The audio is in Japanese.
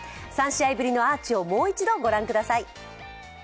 ３試合ぶりのアーチをもう一度、位置取御覧ください。